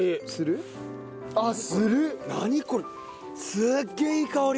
すっげえいい香り！